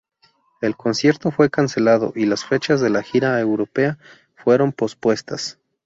El concierto fue cancelado y las fechas de la gira europea fueron pospuestas.